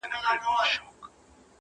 • نیکه ویله چي کوی ښه کار -